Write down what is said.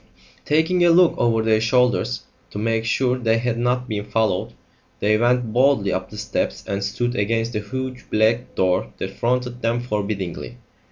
Taking a look over their shoulders to make sure they had not been followed, they went boldly up the steps and stood against the huge black door that fronted them forbiddingly.